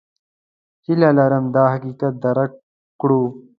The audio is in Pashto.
هیله لرم دا حقیقت درک کړو.